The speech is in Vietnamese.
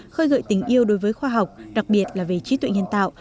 khơi gợi tình yêu đối với khoa học đặc biệt là về trí tuệ nhân tạo